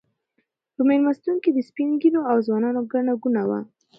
په مېلمستون کې د سپین ږیرو او ځوانانو ګڼه ګوڼه وه.